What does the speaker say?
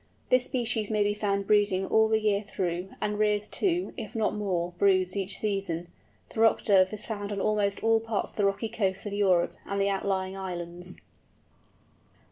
This species may be found breeding all the summer through, and rears two, if not more, broods each season. The Rock Dove is found on almost all parts of the rocky coasts of Europe and the outlying islands.